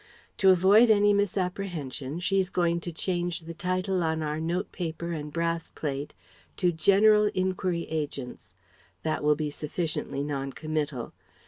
To avoid any misapprehension she is going to change the title on our note paper and brass plate to 'General Inquiry Agents.' That will be sufficiently non committal.